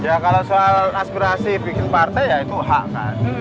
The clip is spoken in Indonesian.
ya kalau soal aspirasi bikin partai ya itu hak kan